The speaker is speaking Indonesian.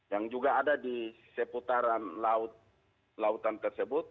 yang juga ada di seputaran lautan tersebut